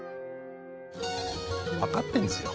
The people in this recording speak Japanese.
分かってんですよ。